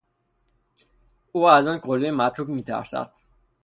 او از آن کلبهی متروک میترسد.